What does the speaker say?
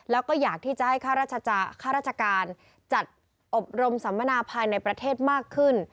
แล้วก็อยากที่จะให้ข้าราชาจารย์ข้าราชการจัดอบรมสำมานาภายในประเทศมากขึ้น